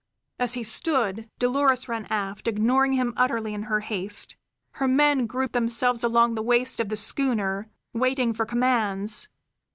As he stood, Dolores ran aft, ignoring him utterly in her haste. Her men grouped themselves along the waist of the schooner, waiting for commands.